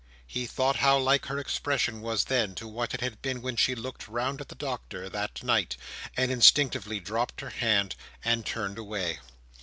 He thought how like her expression was then, to what it had been when she looked round at the Doctor—that night—and instinctively dropped her hand and turned away.